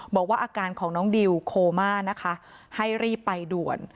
บอกว่าอาการของน้องดิวโคม่านะคะให้รีบไปด่วน